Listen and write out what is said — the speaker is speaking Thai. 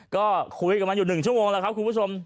ก็คุยกับมันอยู่๑ชั่วโมงแล้วครับคุณผู้ชม